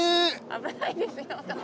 危ないですよ。